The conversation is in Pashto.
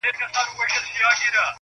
هر څوک په خپل نامه ها کوي.